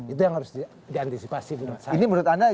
itu yang harus diantisipasi menurut anda